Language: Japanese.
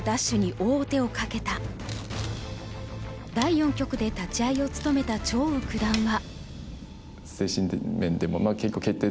第四局で立ち会いを務めた張栩九段は。